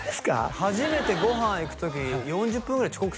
初めてご飯行く時４０分ぐらい遅刻されましたよね？